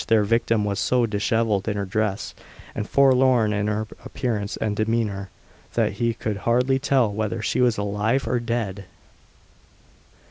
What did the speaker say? Their victim was so dishevelled in her dress, and forlorn in her appearance and demeanour, that he could hardly tell whether she was alive or dead.